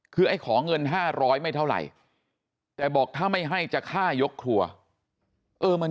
คือไอ้ขอเงิน๕๐๐ไม่เท่าไหร่แต่บอกถ้าไม่ให้จะฆ่ายกครัวเออมัน